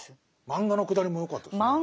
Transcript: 漫画のくだりもよかったですね。